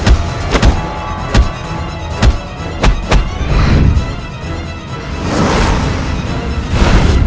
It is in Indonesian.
aku akan menang